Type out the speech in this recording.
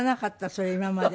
それ今まで。